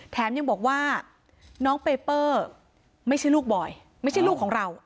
แถมยังบอกว่าน้องเปเปอร์ไม่ใช่ลูกบอยไม่ใช่ลูกของเรา